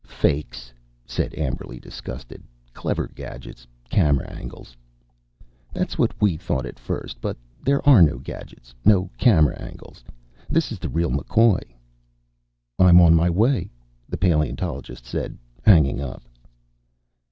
"Fakes," said Amberly, disgusted. "Clever gadgets. Camera angles." "That's what we thought first, but there are no gadgets, no camera angles. This is the real McCoy." "I'm on my way," the paleontologist said, hanging up.